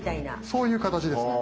そういう形ですね。